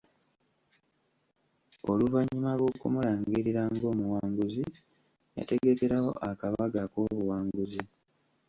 Oluvannyuma lw'okumulangirira ng'omuwanguzi, yategekerawo akabaga ak'obuwanguzi.